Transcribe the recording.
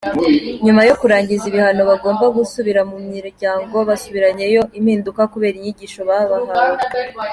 Nyuma yo kurangiza ibihano bagomba gusubira mu miryango basubiranyeyo impinduka kubera inyigisho bababahawe.